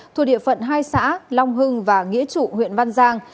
thuộc địa phận hai xã long hưng và nghĩa trụ huyện văn giang